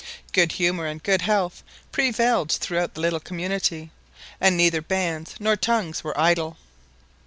Good humour and good health prevailed throughout the little community, and neither bands nor tongues were idle.